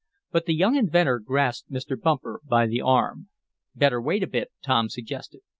But the young inventor grasped Mr. Bumper by the arm. "Better wait a bit," Tom suggested.